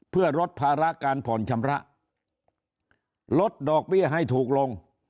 เพื่อลดภาระการผ่อนชำระลดดอกเบี้ยให้ถูกลง